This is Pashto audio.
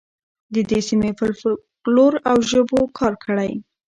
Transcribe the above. د دې سیمې پر فولکلور او ژبو کار وکړئ.